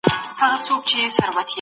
د خلګو په کلتور کي باید بدلون راسي.